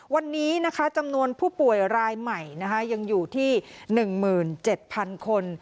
วันนี้นะคะจำนวนผู้ป่วยรายใหม่นะคะยังอยู่ที่หนึ่งหมื่นเจ็ดพันคน